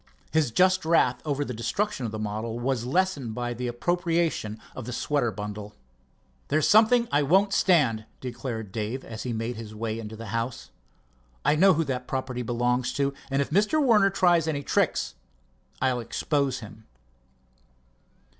His just wrath over the destruction of the model was lessened by the appropriation of the sweater bundle. "There's something I won't stand," declared Dave, as he made his way into the house. "I know who that property belongs to, and if Mr. Warner tries any tricks, I'll expose him."